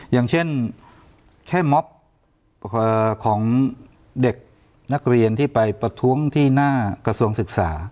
อย่างเช่นแค่ม็อบของเด็กนักเรียนที่ไปประท้วงที่หน้ากระทรวงศึกษา